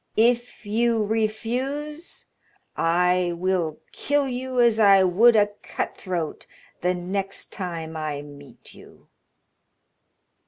If you refuse, I will kill you as I would a cut throat the next time I meet you."